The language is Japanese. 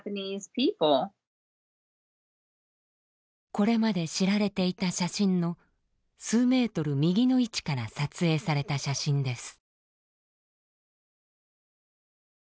これまで知られていた写真の数メートル右の位置から撮影された写真です。